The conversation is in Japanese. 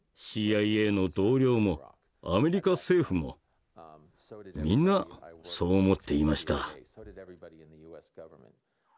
ＣＩＡの同僚もアメリカ政府もみんなそう思っていました。